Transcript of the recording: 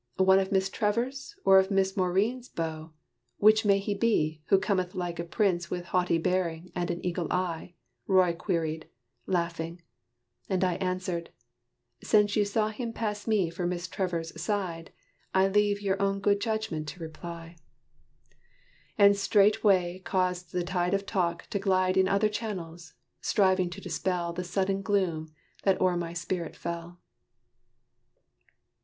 "One of Miss Trevor's, or of Maurine's beaux? Which may he be, who cometh like a prince With haughty bearing, and an eagle eye?" Roy queried, laughing: and I answered, "Since You saw him pass me for Miss Trevor's side, I leave your own good judgment to reply." And straightway caused the tide of talk to glide In other channels, striving to dispel The sudden gloom that o'er my spirit fell.